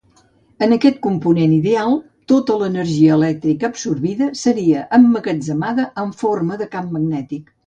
En aquest component ideal tota l'energia elèctrica absorbida seria emmagatzemada en forma de camp magnètic.